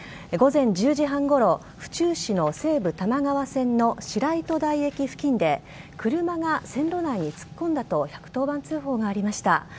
午前１０時半ごろ府中市の西武多摩川線の白糸台駅付近で車が線路内に突っ込んだと１１０番通報がありました。